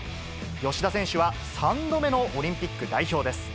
吉田選手は３度目のオリンピック代表です。